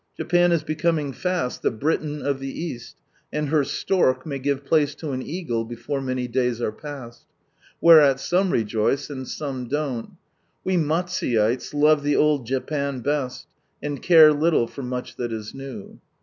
Japan is becoming fast "the Britain of the East," and her Stork may give place lo an Eagle before many days are past. Whereat some rejoice and some don't. We Maisuyeiies love the " Old Japan " best, and 'care little fur much that is new.